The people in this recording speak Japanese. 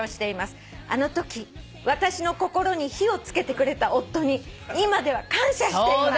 「あのとき私の心に火を付けてくれた夫に今では感謝しています」